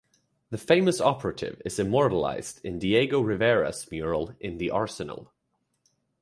The famous operative is immortalized in Diego Rivera's mural "In the Arsenal".